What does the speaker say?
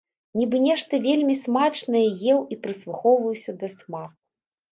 Нібы нешта вельмі смачнае еў і прыслухоўваўся да смаку.